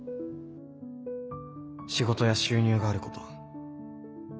仕事や収入があること。